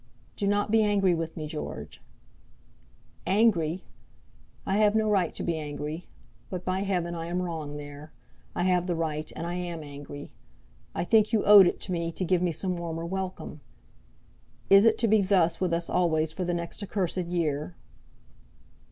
"Do not be angry with me, George!" "Angry! I have no right to be angry. But, by heaven, I am wrong there. I have the right, and I am angry. I think you owed it me to give me some warmer welcome. Is it to be thus with us always for the next accursed year?"